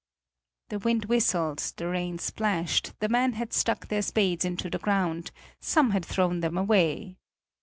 The wind whistled, the rain splashed, the men had stuck their spades into the ground, some had thrown them away.